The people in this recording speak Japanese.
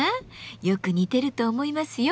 よく似てると思いますよ。